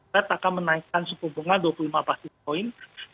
fed akan menaikkan suku bunga dua puluh lima basis point